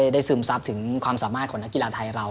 ซึมซับถึงความสามารถของนักกีฬาไทยเรา